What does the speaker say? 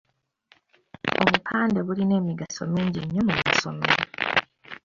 Obupande bulina emigaso mingi nnyo mu masomero.